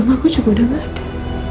aku juga udah gak ada